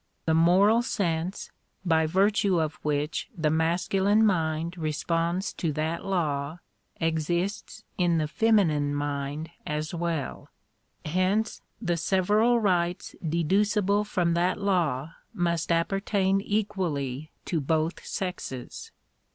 The Moral Sense, by virtue of which the masculine mind responds to that law, exists in the feminine mind as well. Hence the several rights deducible from that law must apper tain equally to both sexes.